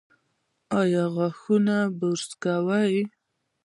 ایا غاښونه برس کوي؟